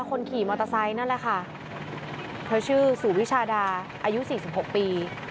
คนขี่มอเตอร์ไซค์นั่นแหละค่ะเธอชื่อสุวิชาดาอายุสี่สิบหกปี